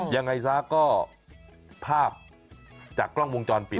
ยังไงซะก็ภาพจากกล้องวงจรปิด